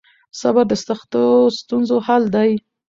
صبر د سختو ستونزو حل دی.